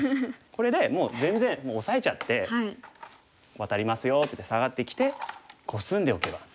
これでもう全然オサえちゃってワタりますよって言ってサガってきてコスんでおけば。